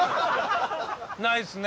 ないっすね。